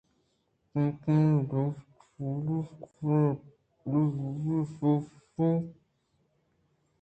تاکانی دپ ءَ لچوک پِر اِت اَنت بلئے بازیں پریات ءُدزبندی ئےءَ ابید ہم کافءَ آوانی نیمگ ءَ چک نہ ترینت اَنت